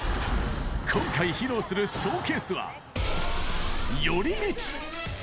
今回、披露するショーケースは、寄り道。